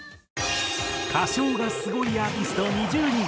歌唱がスゴいアーティスト２０人。